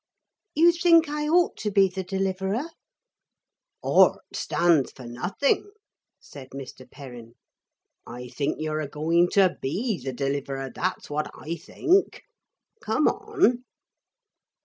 'You think I ought to be the Deliverer?' 'Ought stands for nothing,' said Mr. Perrin. 'I think you're a going to be the Deliverer; that's what I think. Come on!'